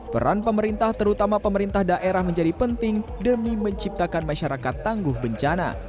peran pemerintah terutama pemerintah daerah menjadi penting demi menciptakan masyarakat tangguh bencana